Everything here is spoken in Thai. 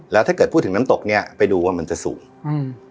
แล้วถ้าเกิดพูดถึงน้ำตกเนี้ยไปดูว่ามันจะสูงอืม